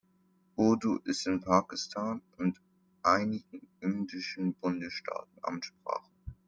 Urdu ist in Pakistan und einigen indischen Bundesstaaten Amtssprache.